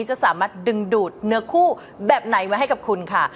จะสามารถดึงดูดเนื้อคู่แบบไหนไว้ให้กับคุณค่ะ